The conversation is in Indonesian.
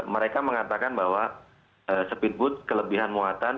mereka mengatakan bahwa speedboat kelebihan muatan